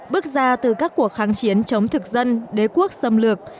bước ra từ các cuộc kháng chiến chống thực dân đế quốc xâm lược